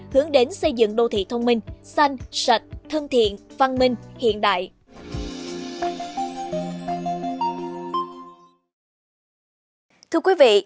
hướng đến xây dựng đô thị thông minh xanh sạch thân thiện văn minh hiện đại